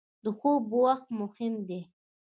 • د خوب وخت مهم دی.